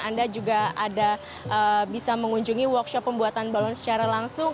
anda juga ada bisa mengunjungi workshop pembuatan balon secara langsung